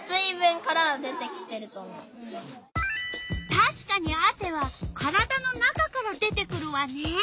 たしかにあせは体の中から出てくるわね。